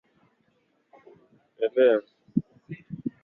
Chakula cha Mombasa ni kitamu.